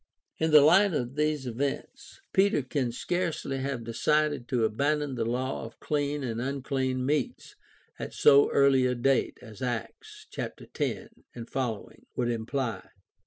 In the light of these events, Peter can scarcely have decided to abandon the law of clean and unclean meats at so early a date as Acts, chaps. 10 f., would imply.